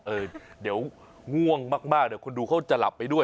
เออเดี๋ยวง่วงมากเดี๋ยวคุณดูเขาจะหลับไปด้วย